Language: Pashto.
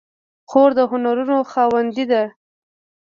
خور د هنرونو خاوندې ده.